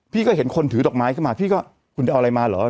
ก็เห็นคนถือดอกไม้ขึ้นมาพี่ก็คุณจะเอาอะไรมาเหรอ